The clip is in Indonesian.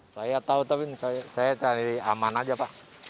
saya tahu tapi saya cari aman aja pak